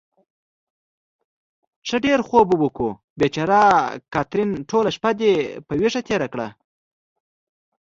ښه ډېر خوب به وکړو. بېچاره کاترین، ټوله شپه دې په وېښو تېره کړه.